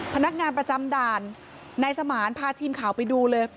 พนักงานประจำด่านนายสมานพาทีมข่าวไปดูเลย